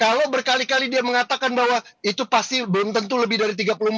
kalau berkali kali dia mengatakan bahwa itu pasti belum tentu lebih dari tiga puluh empat